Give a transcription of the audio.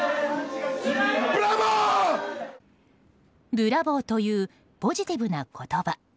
ブラボー！というポジティブな言葉。